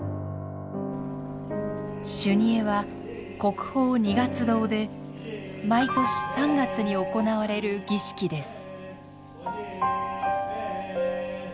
修二会は国宝二月堂で毎年３月に行われる儀式です。